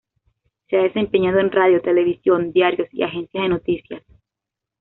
Se ha desempeñado en Radio, Televisión, diarios y agencias de noticias.